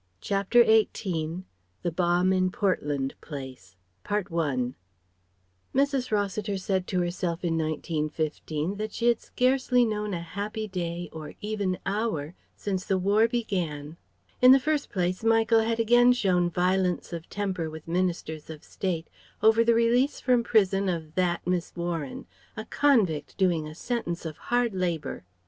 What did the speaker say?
CHAPTER XVIII THE BOMB IN PORTLAND PLACE Mrs. Rossiter said to herself in 1915 that she had scarcely known a happy day, or even hour, since the War began. In the first place Michael had again shown violence of temper with ministers of state over the release from prison of "that" Miss Warren "a convict doing a sentence of hard labour."